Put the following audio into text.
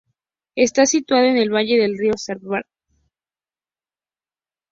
Está situado en el valle del río Svratka.